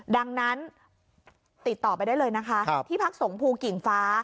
ดังนั้นติดต่อไปได้เลยนะคะที่พักสงภูกิ่งฟ้า